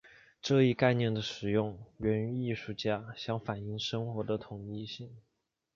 这一概念的使用源于艺术家想反映生活的统一性。